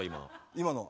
今の？